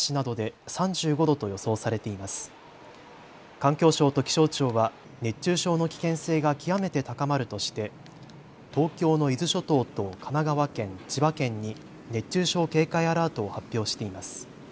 環境省と気象庁は熱中症の危険性が極めて高まるとして東京の伊豆諸島と神奈川県、千葉県に熱中症警戒アラートを発表しています。